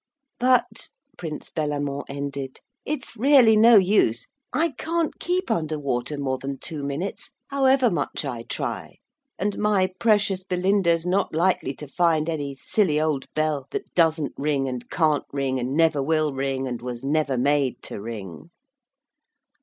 'But,' Prince Bellamant ended, 'it's really no use. I can't keep under water more than two minutes however much I try. And my precious Belinda's not likely to find any silly old bell that doesn't ring, and can't ring, and never will ring, and was never made to ring.'